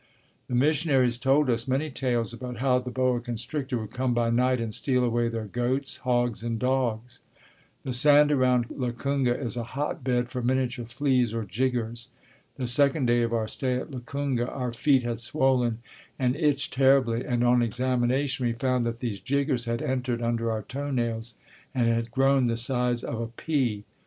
The missionaries told us many tales about how the boa constrictor would come by night and steal away their goats, hogs, and dogs. The sand around Lukunga is a hot bed for miniature fleas, or "jiggers." The second day of our stay at Lukunga our feet had swollen and itched terribly, and on examination we found that these "jiggers" had entered under our toe nails and had grown to the size of a pea.